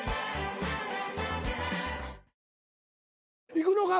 いくのか？